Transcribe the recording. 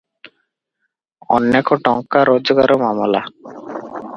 ଅନେକ ଟଙ୍କା ରୋଜଗାର ମାମଲା ।